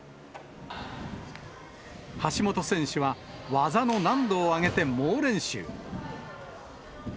橋本選手は技の難度を上げて猛練習。